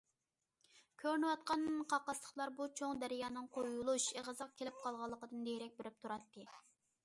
كۆرۈنۈۋاتقان قاقاسلىقلار بۇ چوڭ دەريانىڭ قويۇلۇش ئېغىزىغا كېلىپ قالغانلىقىدىن دېرەك بېرىپ تۇراتتى.